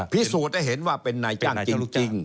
พี่สุภาพจะเห็นว่าเป็นนายจ้างจริง